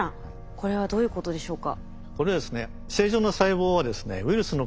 これはどういうことでしょうか？